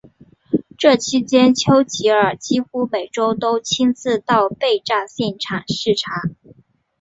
这期间丘吉尔几乎每周都亲自到被炸现场视察。